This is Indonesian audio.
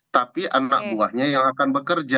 tapi anak buahnya yang akan bekerja